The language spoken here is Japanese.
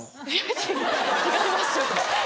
違う違いますよ。